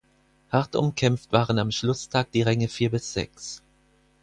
Hart Umkämpft waren am Schlusstag die Ränge vier bis sechs.